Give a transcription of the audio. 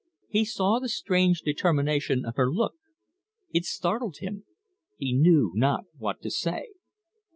He saw the strange determination of her look. It startled him; he knew not what to say.